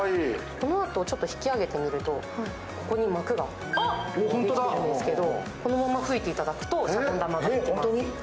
このあと、ちょっと引き上げてみると、ここに膜ができているんですけどこのまま吹いていただくとしゃぼん玉ができます。